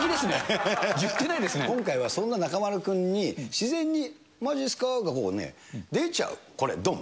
今回はそんな中丸君に、自然にまじっすかが出ちゃう、これ、どん。